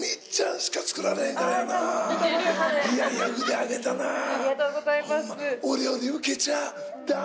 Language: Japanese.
ありがとうございます。